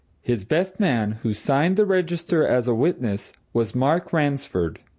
His best man, who signed the register as a witness, was Mark Ransford.